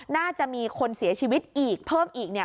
น่าจะมีคนเสียชีวิตเพิ่มอีกเนี่ย